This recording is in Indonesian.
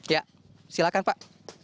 ya silakan pak